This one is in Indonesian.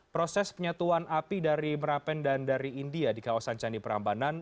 proses penyatuan api dari merapen dan dari india di kawasan candi perambanan